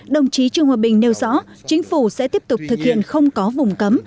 đồng chí trương hòa bình nêu rõ chính phủ sẽ tiếp tục thực hiện không có vùng cấm